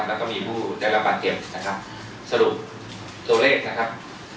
และมีผู้ศูนย์ระบาดเก็บ